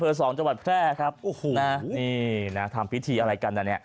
เผลอสองจวัดแพร่ครับนี่ทำพิธีอะไรกันน่ะ